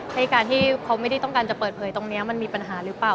ในการที่เขาไม่ได้ต้องการจะเปิดเผยตรงนี้มันมีปัญหาหรือเปล่า